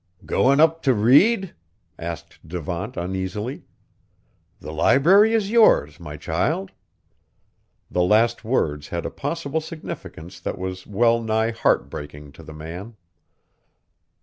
"Going up to read?" asked Devant uneasily; "the library is yours, my child." The last words had a possible significance that was well nigh heartbreaking to the man.